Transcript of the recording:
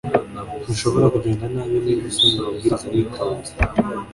ntushobora kugenda nabi niba usomye amabwiriza witonze